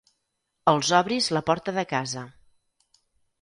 Els obris la porta de casa.